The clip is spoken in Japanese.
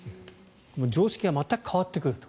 常識が全く変わってくる。